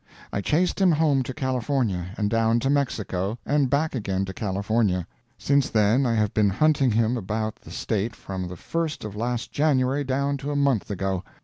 I chased him home to California, and down to Mexico, and back again to California. Since then I have been hunting him about the state from the first of last January down to a month ago.